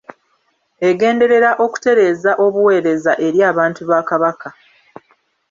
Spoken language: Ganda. Egenderera okutereeza obuweereza eri abantu ba Kabaka.